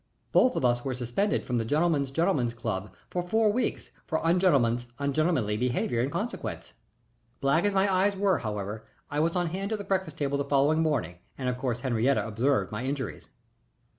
Both of us were suspended from the Gentleman's Gentleman's Club for four weeks for ungentleman's ungentlemanly behavior in consequence. Black as my eyes were, however, I was on hand at the breakfast table the following morning, and of course Henriette observed my injuries.